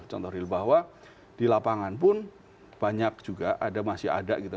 contoh real bahwa di lapangan pun banyak juga ada masih ada gitu